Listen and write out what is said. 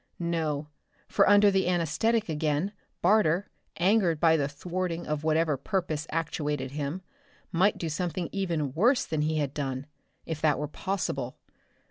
No, for under the anesthetic again, Barter, angered by the thwarting of whatever purpose actuated him, might do something even worse than he had done if that were possible.